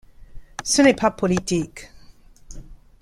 Ce n'est pas politique.